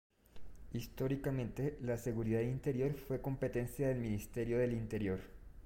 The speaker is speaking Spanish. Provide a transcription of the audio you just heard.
Históricamente, la seguridad interior fue competencia del Ministerio del Interior.